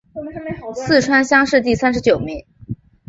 四川乡试第三十九名。